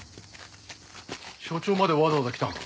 署長までわざわざ来たんか。